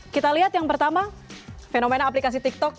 kita lihat yang pertama fenomena aplikasi tiktok